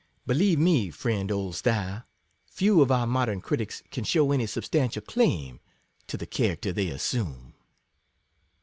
Believe me, friend Oldstyle, few of our modern critics can shew any substantial claim 60 to the character they assume.